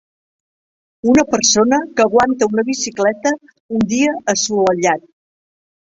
Una persona que aguanta una bicicleta un dia assolellat.